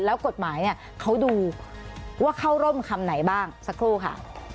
แล้วกฎหมายเนี่ยเขาดูว่าเข้าร่มคำไหนบ้างสักครู่ค่ะ